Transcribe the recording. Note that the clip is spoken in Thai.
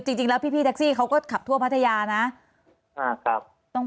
จริงแล้วพี่พี่ทักซีเขาก็ขับทั่วพัทยานะค่ะครับต้อง